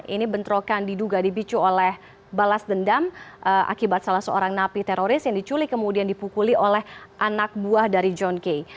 ini bentrokan diduga dibicu oleh balas dendam akibat salah seorang napi teroris yang diculik kemudian dipukuli oleh anak buah dari john kay